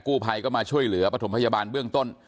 กู้ภัยก็มาช่วยเหลือปฐมพยาบาลเบื้องต้น